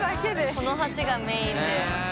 この橋がメインで。